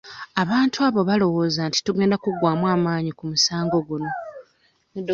Abantu abo balowooza nti tugenda kuggwamu amaanyi ku musango guno.